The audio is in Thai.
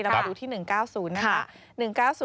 มาดูที่๑๙๐นะคะ